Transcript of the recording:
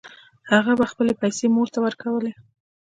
هغه به خپلې پیسې مور ته ورکولې